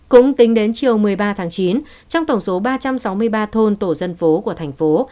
cũng tính đến chiều một mươi ba tháng chín trong tổng số ba trăm sáu mươi ba thôn tổ dân phố của thành phố